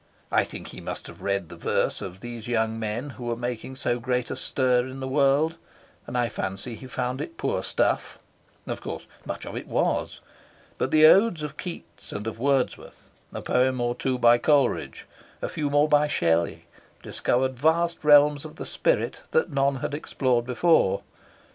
I think he must have read the verse of these young men who were making so great a stir in the world, and I fancy he found it poor stuff. Of course, much of it was. But the odes of Keats and of Wordsworth, a poem or two by Coleridge, a few more by Shelley, discovered vast realms of the spirit that none had explored before.